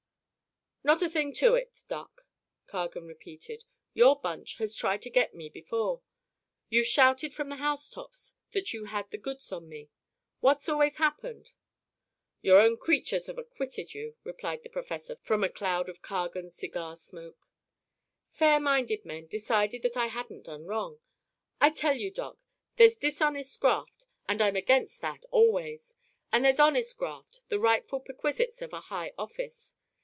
"Not a thing to it, Doc," Cargan repeated, "Your bunch has tried to get me before. You've shouted from the housetops that you had the goods on me. What's always happened?" "Your own creatures have acquitted you," replied the professor, from a cloud of Cargan cigar smoke. "Fair minded men decided that I hadn't done wrong. I tell you, Doc, there's dishonest graft, and I'm against that always. And there's honest graft the rightful perquisites of a high office.